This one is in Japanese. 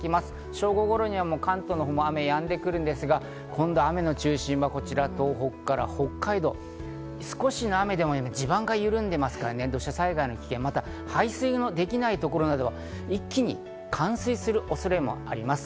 正午ごろには関東のほうは雨がやんで来るんですが、今度雨の中心はこちら東北から北海道、少しの雨でも地盤が緩んでいますから土砂災害の危険、また排水できないところなどは一気に冠水する恐れもあります。